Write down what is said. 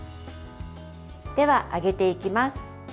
では、揚げていきます。